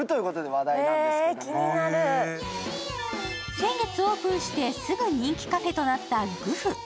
先月オープンしてすぐ人気カフェとなったＧＵＦ。